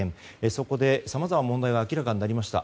そこで、さまざまな問題が明らかになりました。